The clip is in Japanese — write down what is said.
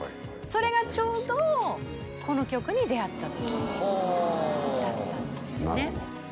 それがちょうどこの曲に出会った時はあだったんですよね